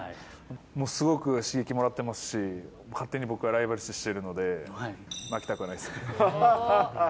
もうすごく刺激もらってますし、勝手に僕がライバル視してるので、負けたくはないですね。